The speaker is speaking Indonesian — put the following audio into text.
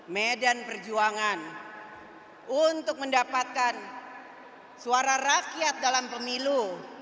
medan perjuangan untuk mendapatkan suara rakyat dalam pemilu